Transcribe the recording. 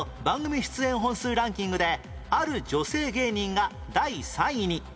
本数ランキングである女性芸人が第３位に